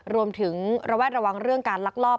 รวมถึงระวัดระวังเรื่องการลักลอบ